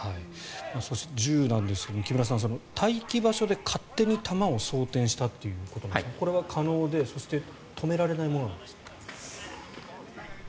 そして銃なんですが木村さん、待機場所で勝手に弾を装てんしたということですがこれは可能で止められないものなんですか？